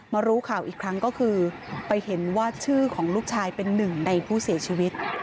รู้ข่าวอีกครั้งก็คือไปเห็นว่าชื่อของลูกชายเป็นหนึ่งในผู้เสียชีวิต